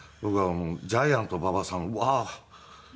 ジャイアント馬場さんを。